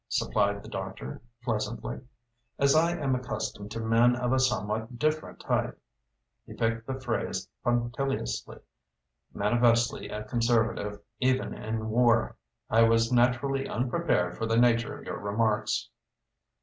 supplied the doctor pleasantly. "As I am accustomed to men of a somewhat different type," he picked the phrase punctiliously, manifestly a conservative, even in war "I was naturally unprepared for the nature of your remarks."